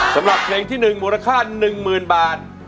สำหรับเพลงที่๑มูลค่า๑๐๐๐บาท